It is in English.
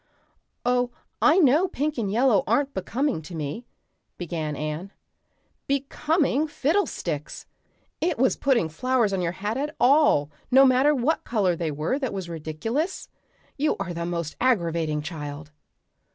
"Oh. I know pink and yellow aren't becoming to me," began Anne. "Becoming fiddlesticks! It was putting flowers on your hat at all, no matter what color they were, that was ridiculous. You are the most aggravating child!"